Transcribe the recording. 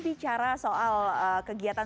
bicara soal kegiatan